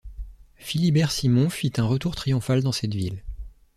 Philibert Simond fit un retour triomphal dans cette ville.